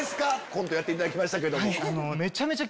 コントやっていただきましたけども。